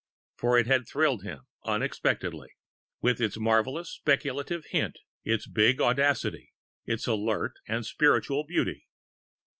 For it had thrilled him inexplicably: with its marvellous speculative hint, its big audacity, its alert and spiritual beauty....